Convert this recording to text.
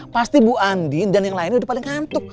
pasti bu andin dan yang lainnya udah paling ngantuk